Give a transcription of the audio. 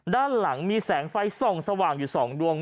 ด้านหลังมีแสงไฟส่องสว่างอยู่๒ดวง